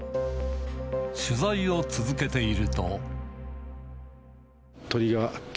取材を続けていると。